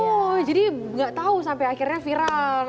oh jadi gak tau sampai akhirnya viral